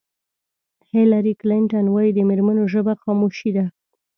هېلري کلنټن وایي د مېرمنو ژبه خاموشي ده.